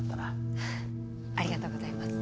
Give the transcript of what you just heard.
ありがとうございます。